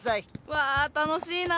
わ楽しいな！